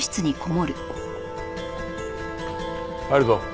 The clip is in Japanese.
入るぞ。